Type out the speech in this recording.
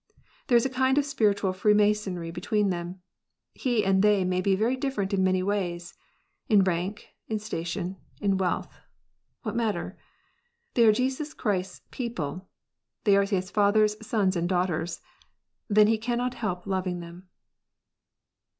There is a kind of spiritual freemasonry between them. He and they may be very different in many ways, in rank, in station, in wealth. What matter 1 They are Jesus Christ s people : they are His Father s sons and daughters. Then he cannot help loving them.